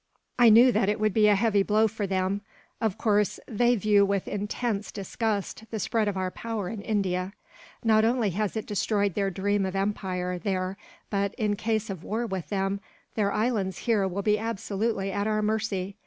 "I knew that it would be a heavy blow for them. Of course, they view with intense disgust the spread of our power in India. Not only has it destroyed their dream of empire there but, in case of war with them, their islands here will be absolutely at our mercy.